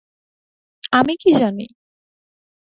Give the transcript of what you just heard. আমি কী জানি।